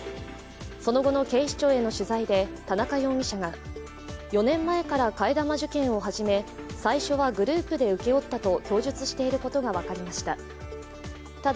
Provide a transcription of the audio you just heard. その後の警視庁への取材で田中容疑者が４年前から替え玉受検を始め、最初はグループで請け負ったと供述していることが分かりました。